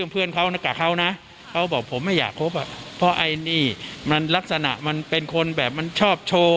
เท่วยาโจ้